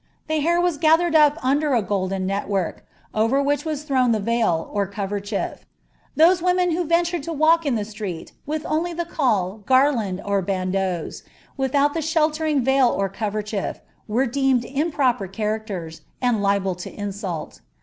The hair was gathered up under a golikn network, over which was thrown the veil, or covcrchef. Those woffltfi who ventured to walk in the street with only the caul, garUiMl, uil bandeaus. without the shelieiiag veil or coverchef, were deemed touio per characters, and liable to insult.